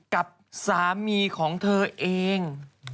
กับสามีของเธอเอง